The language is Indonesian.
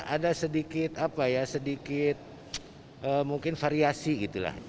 ada sedikit apa ya sedikit mungkin variasi gitu lah